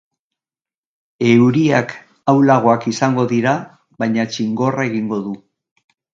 Euriak ahulagoak izango dira, baina txingorra egingo du.